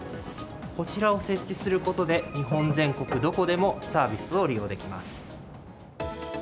こちらを設置することで、日本全国どこでもサービスを利用できます。